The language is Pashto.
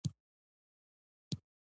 د ملکیار مضمون له حماسي رنګ څخه خالي و.